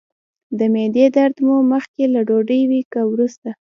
د معدې درد مو مخکې له ډوډۍ وي که وروسته؟